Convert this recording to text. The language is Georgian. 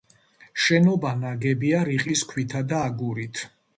შენობა ნაგებია რიყის ქვითა და აგურით.